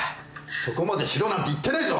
そこまでしろなんて言ってないぞ！